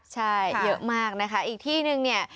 ใช่เยอะมากนะคะอีกที่นึงเนี่ย